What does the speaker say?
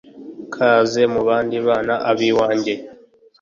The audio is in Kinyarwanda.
Kaze mubandi bana ubiwanje……